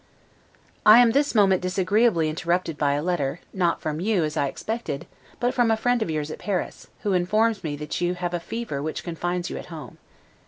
I am this moment disagreeably interrupted by a letter; not from you, as I expected, but from a friend of yours at Paris, who informs me that you have a fever which confines you at home.